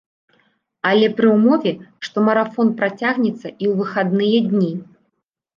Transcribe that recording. Але пры ўмове, што марафон працягнецца і ў выхадныя дні.